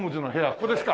ここですか？